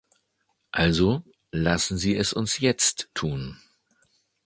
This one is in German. Also, lassen Sie es uns jetzt tun!